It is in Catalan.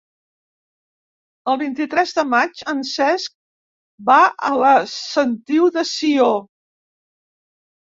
El vint-i-tres de maig en Cesc va a la Sentiu de Sió.